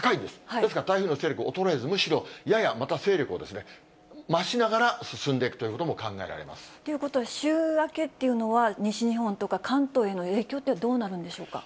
ですから台風の勢力衰えず、むしろややまた勢力を増しながら進んでいくということも考えられということは、週明けっていうのは、西日本とか関東への影響ってどうなるんでしょうか。